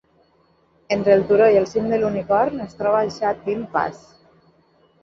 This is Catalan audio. Entre el turó i el cim de l'Unicorn es troba el Sha Tin Pass.